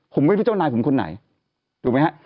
ผมไม่รู้เจ้านายผมคนไหนถูกไหมฮะ